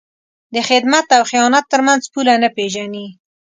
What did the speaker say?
د خدمت او خیانت تر منځ پوله نه پېژني.